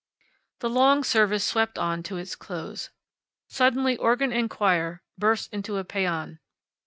The long service swept on to its close. Suddenly organ and choir burst into a paeon.